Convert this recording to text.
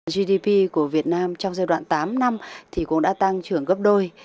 gdp của việt nam trong giai đoạn tám năm thì cũng đã tăng trưởng gấp đôi